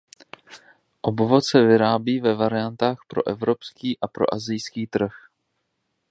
Obvod se vyrábí ve variantách pro evropský a pro asijský trh.